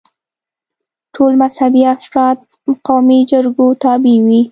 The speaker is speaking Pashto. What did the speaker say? ټول مذهبي افراد قومي جرګو تابع وي.